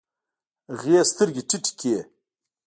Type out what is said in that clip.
هغې سترګې ټيټې کړې.